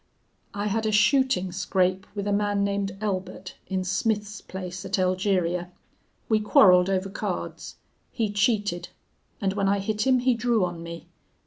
I had a shooting scrape with a man named Elbert, in Smith's place at Elgeria. We quarreled over cards. He cheated. And when I hit him he drew on me.